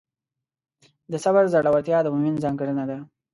د صبر زړورتیا د مؤمن ځانګړنه ده.